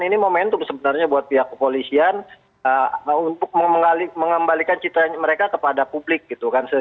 ini momentum sebenarnya buat pihak kepolisian untuk mengembalikan citra mereka kepada publik gitu kan